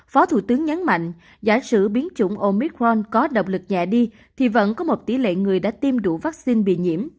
phó thủ tướng nhấn mạnh giả sử biến chủng omicron có độc lực nhẹ đi thì vẫn có một tỷ lệ người đã tiêm đủ vaccine bị nhiễm